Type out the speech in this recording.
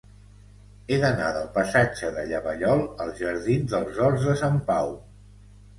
He d'anar del passatge de Llavallol als jardins dels Horts de Sant Pau.